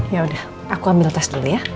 ya udah aku ambil tes dulu ya